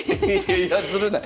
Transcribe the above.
いやずるない。